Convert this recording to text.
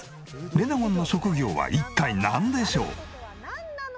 レナゴンの職業は一体なんでしょう？